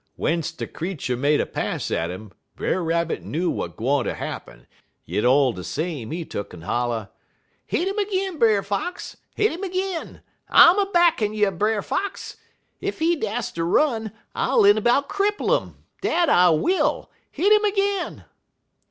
W'ence de creetur made a pass at 'im, Brer Rabbit knew w'at gwine ter happen, yit all de same he tuck'n holler: "'Hit 'im ag'in, Brer Fox! Hit 'im ag'in! I'm a backin' you, Brer Fox! Ef he dast ter run, I'll inabout cripple 'im dat I will. Hit 'im ag'in!'